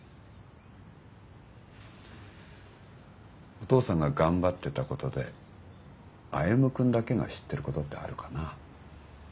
お父さんが頑張ってたことで歩君だけが知ってることってあるかな。